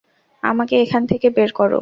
আমাকে এখান থেকে বের করো।